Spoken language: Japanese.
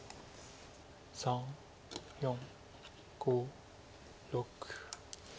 ３４５６。